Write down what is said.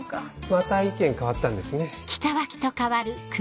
また意見変わったんですね。